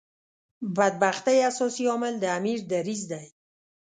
بدبختۍ اساسي عامل د امیر دریځ دی.